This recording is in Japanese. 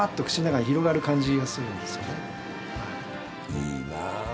いいなあ。